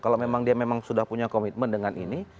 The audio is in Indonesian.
kalau memang dia memang sudah punya komitmen dengan ini